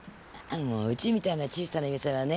もううちみたいな小さな店はね